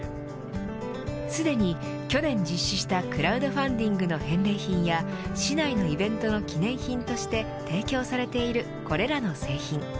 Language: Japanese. すでに、去年実施したクラウドファンディングの返礼品や市内のイベントの記念品として提供されているこれらの製品。